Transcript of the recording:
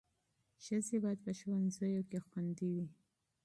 ښځې باید په ښوونځیو کې خوندي وي.